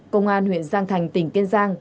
công an huyện giang thành tỉnh kiên giang